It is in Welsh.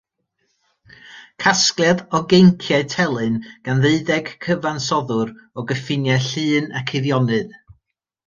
Casgliad o geinciau telyn gan ddeuddeg cyfansoddwr o gyffiniau Llŷn ac Eifionydd.